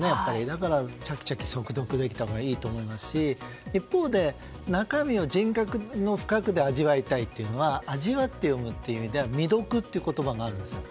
だから、速読できたほうがいいと思いますし一方で中身を人格の深くで味わいたいというのは味わって読むという意味では味読という言葉があるんですよ。